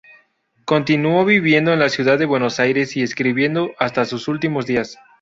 Continuó viviendo en la ciudad de Buenos Aires y escribiendo hasta sus últimos días.